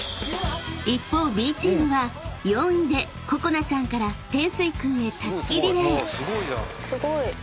［一方Ｂチームは４位でここなちゃんからてんすい君へたすきリレー］